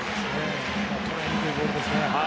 捉えにくいボールですね。